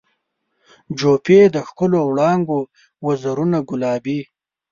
جوپې د ښکلو وړانګو وزرونه ګلابي